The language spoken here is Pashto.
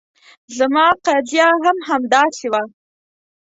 زما قضیه هم همداسې وه.